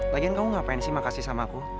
lagian kamu ngapain sih makasih sama aku